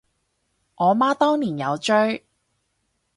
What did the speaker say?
我媽當年有追